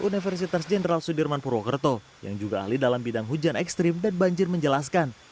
universitas jenderal sudirman purwokerto yang juga ahli dalam bidang hujan ekstrim dan banjir menjelaskan